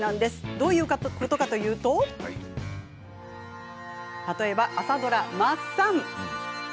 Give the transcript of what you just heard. どういうことかというと例えば、朝ドラ「マッサン」。